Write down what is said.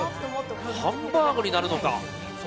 ハンバーグになるのか。